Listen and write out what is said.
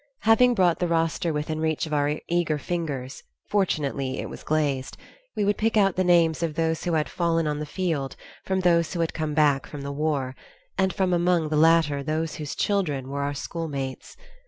Having brought the roster within reach of our eager fingers, fortunately it was glazed, we would pick out the names of those who "had fallen on the field" from those who "had come back from the war," and from among the latter those whose children were our schoolmates.